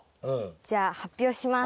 じゃあ発表します。